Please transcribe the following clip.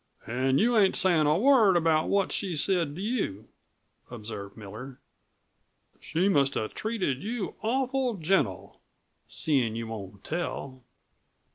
"An' you ain't sayin' a word about what she said to you," observed Miller. "She must have treated you awful gentle, seein' you won't tell."